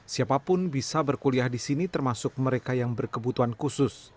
siapapun bisa berkuliah disini termasuk mereka yang berkebutuhan khusus